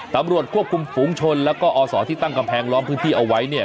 ตำรวจควบคุมฝูงชนแล้วก็อศที่ตั้งกำแพงล้อมพื้นที่เอาไว้เนี่ย